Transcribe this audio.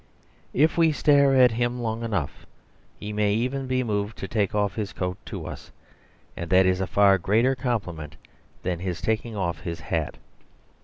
If we stare at him long enough he may even be moved to take off his coat to us; and that is a far greater compliment than his taking off his hat.